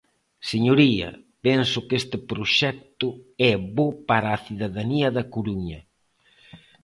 Señoría, penso que este proxecto é bo para a cidadanía da Coruña.